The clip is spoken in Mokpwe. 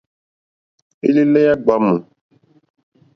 Elele ya gbamu.